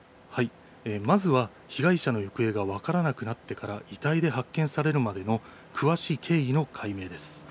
まずは被害者の行方が分からなくなってから遺体で発見されるまでの詳しい経緯の解明です。